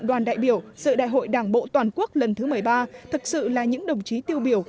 đoàn đại biểu sự đại hội đảng bộ toàn quốc lần thứ một mươi ba thực sự là những đồng chí tiêu biểu